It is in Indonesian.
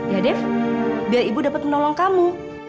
ya dev biar ibu dapat menolong kamu